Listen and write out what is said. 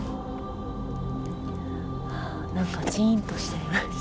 何かジンとしちゃいました。